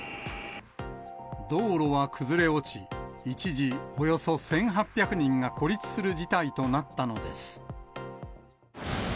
道路は崩れ落ち、一時およそ１８００人が孤立する事態となったのです。